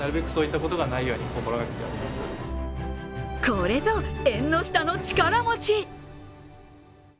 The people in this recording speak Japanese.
これぞ縁の下の力持ち。